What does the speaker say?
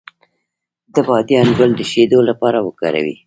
د بادیان ګل د شیدو لپاره وکاروئ